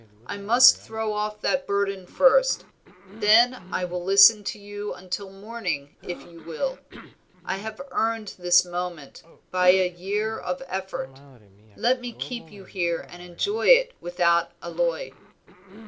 I must throw off that burden first, then I will listen to you until morning if you will. I have earned this moment by a year of effort, let me keep you here and enjoy it without alloy."